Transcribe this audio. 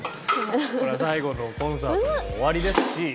ほら最後のコンサートもおありですし。